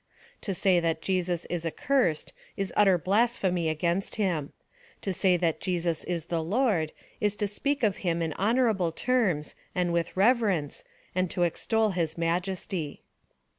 To say that Jesus is accursed is utter blasphemy against him. To say that Jesus is the Lord, is to speak of him in honourable terms and with reverence, and to extol his majesty.